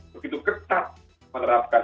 begitu ketat menerapkan